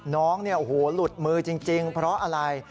น้องหลุดมือจริงเพราะอะไร